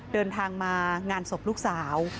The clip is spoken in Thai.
เดินทางมางานศพลูกสาว